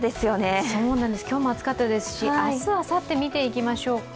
今日も暑かったですし、明日あさって、みていきましょう。